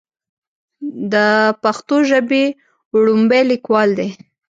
د پښتو ژبې وړومبے ليکوال دی